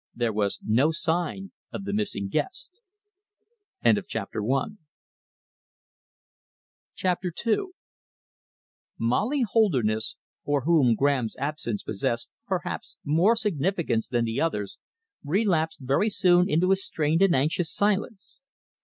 There was no sign of the missing guest. CHAPTER II Molly Holderness, for whom Graham's absence possessed, perhaps, more significance than the others, relapsed very soon into a strained and anxious silence.